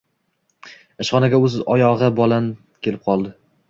Ishxonaga oʻz oyogʻi balan kelib qoldi